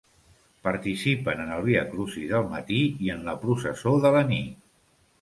Participen en el Via Crucis del matí i en la processó de la nit.